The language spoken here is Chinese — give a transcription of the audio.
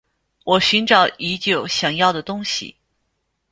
我寻找已久想要的东西